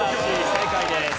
正解です。